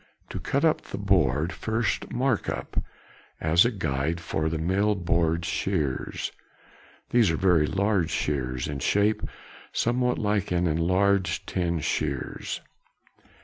To cut up the board, first mark up, as a guide for the mill board shears. These are very large shears, in shape somewhat like an enlarged tin shears.